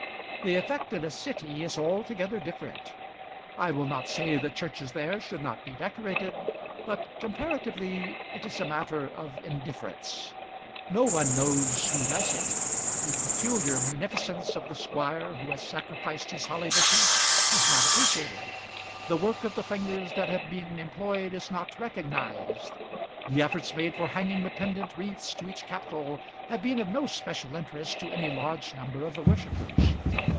The effect in a city is altogether different. I will not say that churches there should not be decorated, but comparatively it is a matter of indifference. No one knows who does it. The peculiar munificence of the squire who has sacrificed his holly bushes is not appreciated. The work of the fingers that have been employed is not recognised. The efforts made for hanging the pendent wreaths to each capital have been of no special interest to any large number of the worshippers.